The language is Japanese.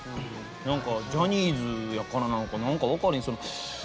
何かジャニーズやからなのか何か分かれへんその。